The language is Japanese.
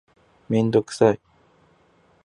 メンドクサイ